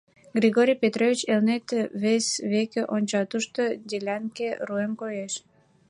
Григорий Петрович Элнет вес веке онча, тушто делянке руэм коеш.